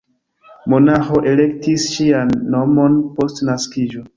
Monaĥo elektis ŝian nomon post naskiĝo.